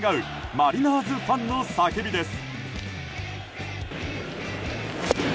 マリナーズファンの叫びです。